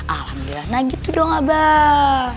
alhamdulillah nah gitu doang abah